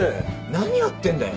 何やってんだよ。